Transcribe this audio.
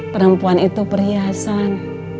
perempuan itu perhiasan